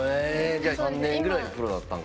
じゃあ３年ぐらいでプロなったんか。